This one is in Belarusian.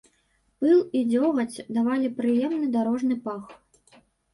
Пыл і дзёгаць давалі прыемны дарожны пах.